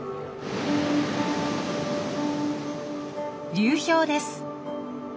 流氷です。